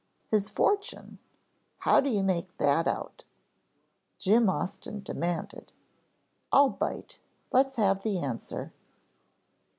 "His fortune, how do you make that out?" Jim Austin demanded. "I'll bite, let's have the answer."